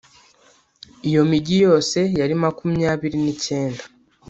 iyo migi yose yari makumyabiri n ‘icyenda .